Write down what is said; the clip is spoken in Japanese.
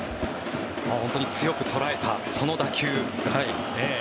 本当に強く捉えたその打球。